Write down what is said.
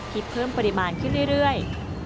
เพิ่มปริมาณขึ้นเรื่อย